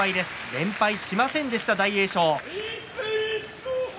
連敗しませんでした、大栄翔。